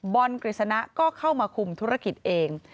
กฤษณะก็เข้ามาคุมธุรกิจเอง